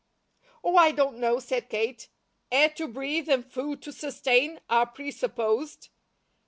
"Oh, I don't know," said Kate. "Air to breathe and food to sustain are presupposed.